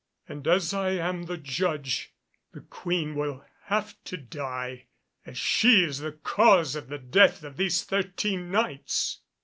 And as I am the judge, the Queen will have to die, as she is the cause of the death of these thirteen Knights."